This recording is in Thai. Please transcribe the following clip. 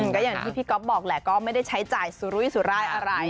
ก็อย่างที่พี่ก๊อฟบอกแหละก็ไม่ได้ใช้จ่ายสุรุยสุรายอะไร